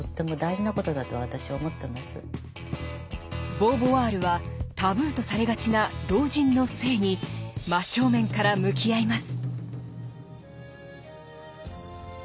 ボーヴォワールはタブーとされがちな老人の性に真正面から向き合います。